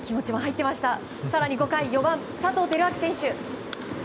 更に５回、４番佐藤輝明選手。